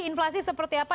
inflasi seperti apa